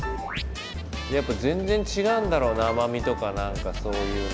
やっぱ全然違うんだろうな甘みとか何かそういうのが。